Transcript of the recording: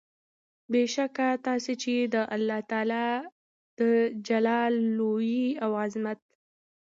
بې شکه تاسي چې د الله تعالی د جلال، لوئي او عظمت